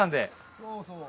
そうそう。